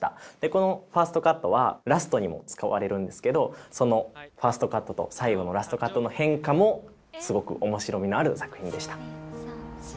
このファーストカットはラストにも使われるんですけどそのファーストカットと最後のラストカットの変化もすごく面白みのある作品でした。